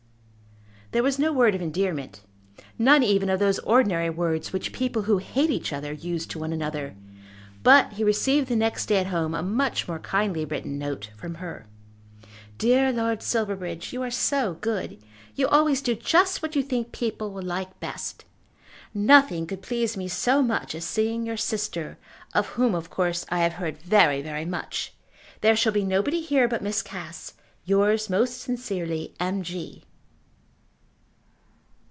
There was no word of endearment, none even of those ordinary words which people who hate each other use to one another. But he received the next day at home a much more kindly written note from her: DEAR LORD SILVERBRIDGE, You are so good! You always do just what you think people will like best. Nothing could please me so much as seeing your sister, of whom of course I have heard very very much. There shall be nobody here but Miss Cass. Yours most sincerely, M. G.